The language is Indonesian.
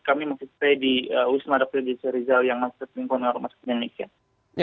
kami masih stay di ust madakir di serizal yang masih berpengungkan di rumah semuniknya